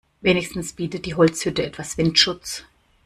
Wenigstens bietet die Holzhütte etwas Windschutz.